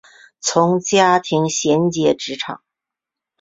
从家庭衔接职场